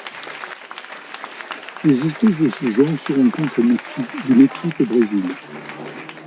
Les espèces de ce genre se rencontrent du Mexique au Brésil.